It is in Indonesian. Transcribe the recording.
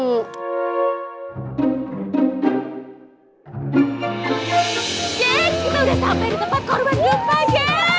geng kita udah sampai di tempat korban jumpa geng